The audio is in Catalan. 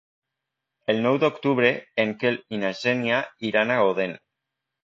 El nou d'octubre en Quel i na Xènia iran a Odèn.